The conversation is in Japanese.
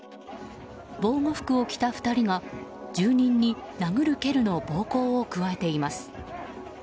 防護服を着た２人が住人に殴る蹴るの暴行を加えています。